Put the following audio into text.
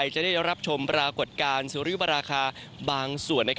จะได้รับชมปรากฏการณ์สุริปราคาบางส่วน